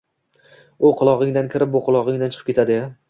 U qulog'ingdan kirib, bu qulog'ingdan chiqib ketadi-ya!